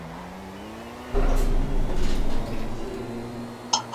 د ټولنې ادبي او عاطفي رنګ